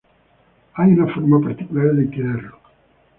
Hay una forma particular de tirarlo.